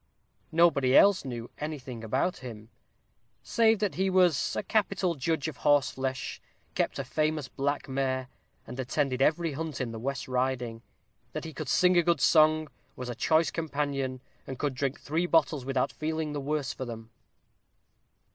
Nobody else knew anything about him, save that he was a capital judge of horseflesh, kept a famous black mare, and attended every hunt in the West Riding that he could sing a good song, was a choice companion, and could drink three bottles without feeling the worse for them.